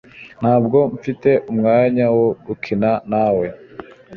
Ntabwo mfite umwanya wo gukina nawe